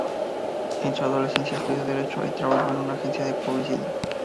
En su adolescencia estudió Derecho y trabajó en una agencia de publicidad.